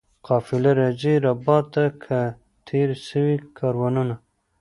قافله راځي ربات ته که تېر سوي کاروانونه؟